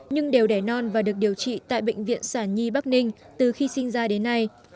nhưng đều đẻ non và được điều trị tại bệnh viện sản nhi bắc ninh từ khi sinh ra đến nay